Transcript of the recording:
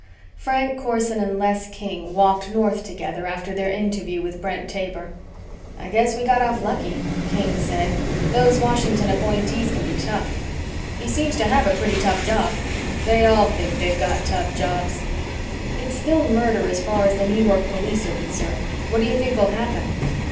Frank Corson and Les King walked north together after their interview with Brent Taber. "I guess we got off lucky," King said. "Those Washington appointees can be tough." "He seems to have a pretty tough job." "They all think they've got tough jobs." "It's still a murder as far as the New York police are concerned. What do you think will happen?"